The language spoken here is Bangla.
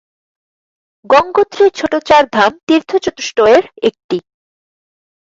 গঙ্গোত্রী ছোট চার ধাম তীর্থ-চতুষ্টয়ের একটি।